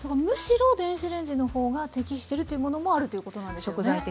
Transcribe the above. むしろ電子レンジの方が適してるというものもあるということなんですよね。